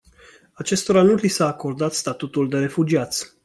Acestora nu li s-a acordat statutul de refugiați.